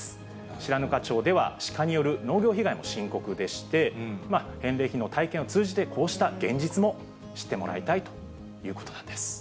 白糠町ではシカによる農業被害も深刻でして、返礼品の体験を通じて、こうした現実も知ってもらいたいということなんです。